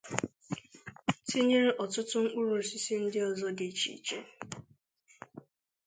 tinyere ọtụtụ mkpụrụosisi ndị ọzọ dị iche iche.